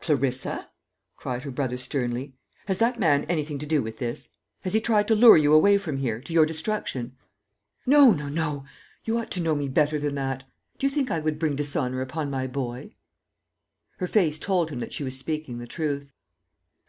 "Clarissa!" cried her brother sternly, "has that man anything to do with this? Has he tried to lure you away from here, to your destruction?" "No, no, no! you ought to know me better than that. Do you think I would bring dishonour upon my boy?" Her face told him that she was speaking the truth.